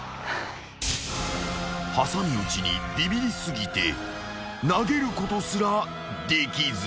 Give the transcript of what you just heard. ［挟み撃ちにビビり過ぎて投げることすらできず］